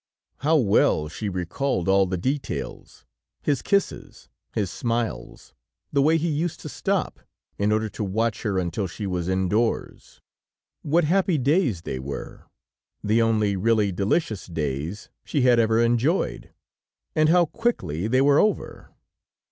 How well she recalled all the details, his kisses, his smiles, the way he used to stop, in order to watch her until she was indoors. What happy days they were; the only really delicious days she had ever enjoyed; and how quickly they were over!